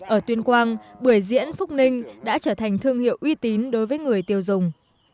ở tuyên quang bưởi diễn phúc ninh đã trở thành thương hiệu uy tín đối với người tiêu dùng